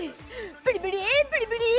ブリブリ、ブリブリ！